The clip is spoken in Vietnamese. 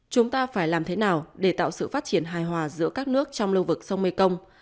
chúng ta phải làm thế nào để tạo sự phát triển hài hòa giữa các nước trong lưu vực sông mekong